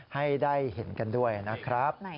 ให้ได้เห็นกันด้วยนะครับ